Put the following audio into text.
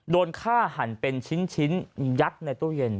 โดนฆ่าหันเป็นชิ้นยัดในตู้เย็น